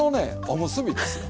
おむすびですよ。